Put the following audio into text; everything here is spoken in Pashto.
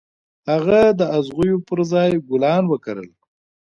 هغه د اغزيو پر ځای ګلان وکرل.